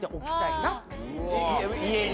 家に。